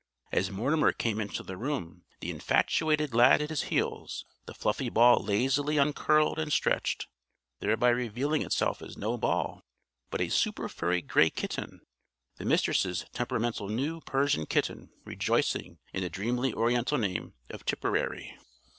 As Mortimer came into the room the infatuated Lad at his heels, the fluffy ball lazily uncurled and stretched thereby revealing itself as no ball, but a superfurry gray kitten the Mistress' temperamental new Persian kitten rejoicing in the dreamily Oriental name of Tipperary.